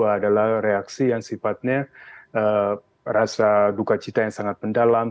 adalah reaksi yang sifatnya rasa dukacita yang sangat mendalam